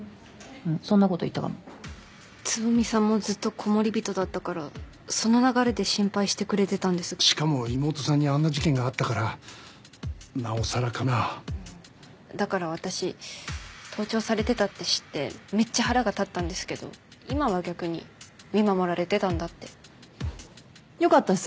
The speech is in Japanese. そんなこと言ったかも蕾さんもずっとコモリビトだったからその流れで心配してくれてたんですしかも妹さんにあんな事件があったからなおさらかなだから私盗聴されてたって知ってめっちゃ腹が立ったんですけど今は逆に見守られてたんだってよかったです